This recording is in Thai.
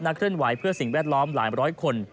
เคลื่อนไหวเพื่อสิ่งแวดล้อมหลายร้อยคน